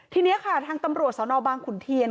ทีนี้ค่ะทางตำรวจสนบางขุนเทียน